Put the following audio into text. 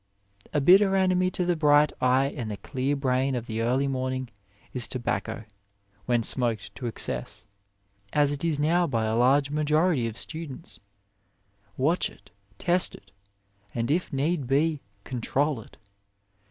A bitter enemy to the bright eye and the clear brain of the early morning is tobacco when smoked to excess, as it is now by a large majority of A WAY students. Watch it, test it, and if need be, control it.